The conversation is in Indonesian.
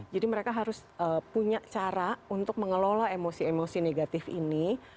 jadi mereka harus punya cara untuk mengelola emosi emosi negatif ini